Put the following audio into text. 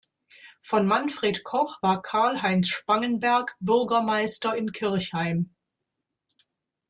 Vor Manfred Koch war Karl-Heinz Spangenberg Bürgermeister in Kirchheim.